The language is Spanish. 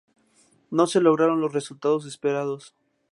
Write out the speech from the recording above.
No se lograron los resultados esperados.